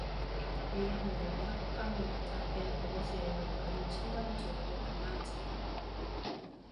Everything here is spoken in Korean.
의외로 명확한 대답에 아버지의 얼굴은 순간으로 변하여진다.